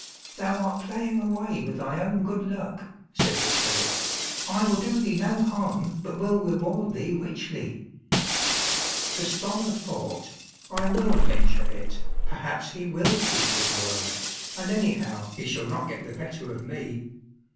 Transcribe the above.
"Thou art playing away with thy own good luck," said the spirit; "I will do thee no harm but will reward thee richly." The scholar thought, "I will venture it, perhaps he will keep his word, and anyhow he shall not get the better of me."